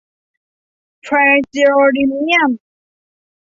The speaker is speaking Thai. เพรซีโอดิเมียม